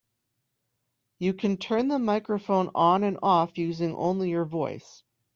You can turn the microphone on and off using only your voice.